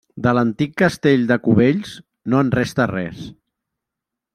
De l'antic castell de Cubells, no en resta res.